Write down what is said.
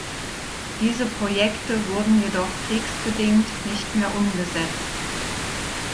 Diese Projekte wurden jedoch kriegsbedingt nicht mehr umgesetzt.